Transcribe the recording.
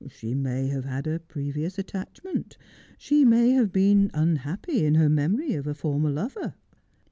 She may have had a previous attachment. She may have been unhappy in her memory of a former lover.'